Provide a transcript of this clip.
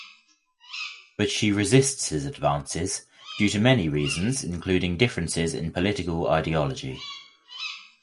But she resists his advances due to many reasons including differences in political ideology.